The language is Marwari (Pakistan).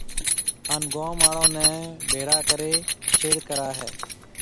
ھان گوم آݪو نيَ ڀيݪا ڪرَي ڇيڙ ڪرائيَ ھيََََ